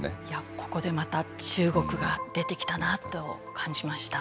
ここでまた中国が出てきたなと感じました。